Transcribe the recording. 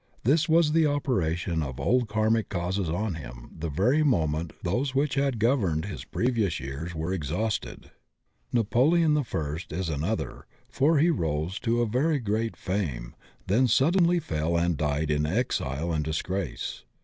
This was the operation of old karmic causes oh him the very moment those which had governed his pre vious years were exhausted. Napoleon I is anotfier, for he rose to a very great fame, then suddenly fell and died in exile and disgrace.